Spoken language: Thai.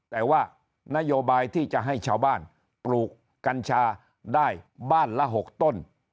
แต่ว่านโยบายที่จะให้ชาวบ้านปลูกกัญชาได้บ้านละ๖ต้น